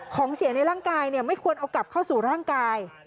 ของเสียในร่างกายไม่ควรเอากลับเข้าสู่ร่างกาย